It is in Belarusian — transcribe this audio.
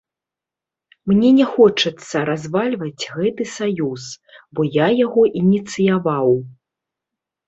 Мне не хочацца развальваць гэты саюз, бо я яго ініцыяваў.